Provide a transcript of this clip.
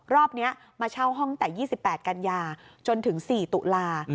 รอบนี้มาเช่าห้องแต่๒๘กันยาจนถึง๔ตุลา